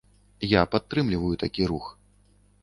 Я падтрымліваю такі рух.